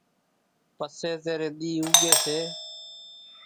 پسي زيرين ۮي اُوڳي سي